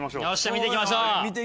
見ていきましょう。